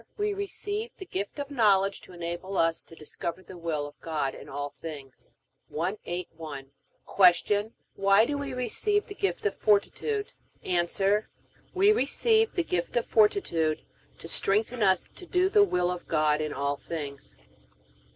We receive the gift of Knowledge to enable us to discover the will of God in all things. 181. Q. Why do we receive the gift of Fortitude? A. We receive the gift of Fortitude to strengthen us to do the will of God in all things.